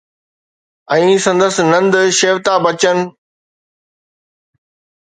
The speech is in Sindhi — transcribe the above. ۽ سندس نند شيوتا بچن